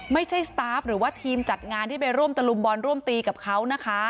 สตาร์ฟหรือว่าทีมจัดงานที่ไปร่วมตะลุมบอลร่วมตีกับเขานะคะ